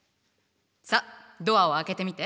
さっドアを開けてみて。